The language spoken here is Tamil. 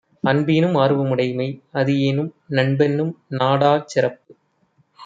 அன்புஈனும் ஆர்வம் உடைமை; அதுஈனும் நண்புஎன்னும் நாடாச் சிறப்பு